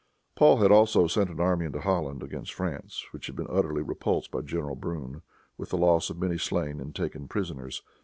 Paul had also sent an army into Holland, against France, which had been utterly repulsed by General Brune, with the loss of many slain and taken prisoners.